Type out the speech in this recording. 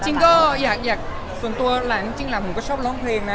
จริงก็อยากส่วนตัวหลานจริงหลานผมก็ชอบร้องเพลงนะ